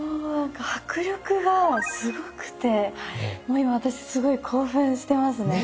迫力がすごくてもう今私すごい興奮してますね。